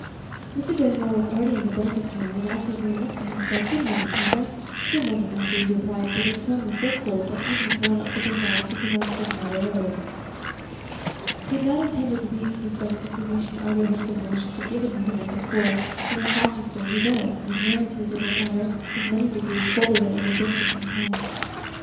Mr. Dinsmore was already in the breakfast room, and Elsie, going up to him, said, "Good morning, papa." "Good morning, Elsie," he replied, but his tone was so cold that even if no one else had been by, she could not have said another word. He had not intended to be influenced by the information Arthur had so maliciously given him the night before; yet unconsciously he was, and his manner to his little daughter was many degrees colder than it had been for some time.